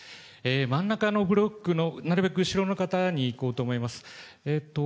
真ん中のブロックのなるべく後ろの方にいこうと思います。